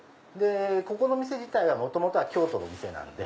ここの店自体は元々は京都の店なんで。